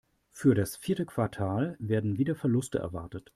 Für das vierte Quartal werden wieder Verluste erwartet.